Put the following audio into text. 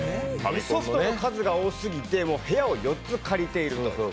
ソフトの数が多すぎて部屋を４つ借りていると。